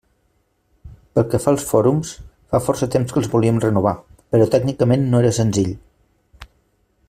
Pel que fa als fòrums, fa força temps que els volíem renovar, però tècnicament no era senzill.